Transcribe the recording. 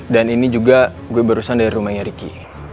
dan ini juga gue barusan dari rumahnya riki